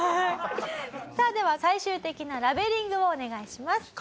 さあでは最終的なラベリングをお願いします。